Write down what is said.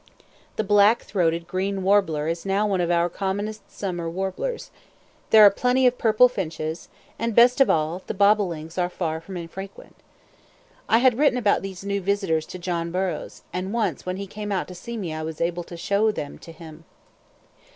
The black throated green warbler is now one of our commonest summer warblers; there are plenty of purple finches; and, best of all, the bobolinks are far from infrequent. I had written about these new visitors to John Burroughs, and once when he came out to see me I was able to show them to him.